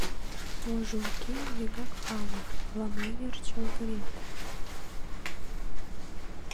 Можо уке, вигак пале, ала-мо верч ойгырет.